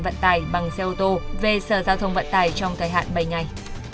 vận tải bằng xe ô tô về sở giao thông vận tải trong thời hạn bảy ngày